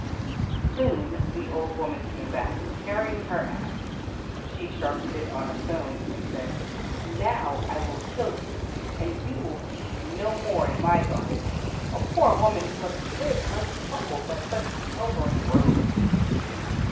Soon the old woman came back, carrying her axe. She sharpened it on a stone and said, "Now I will kill you, and you will thieve no more in my garden. A poor woman must live untroubled by such pilfering rogues."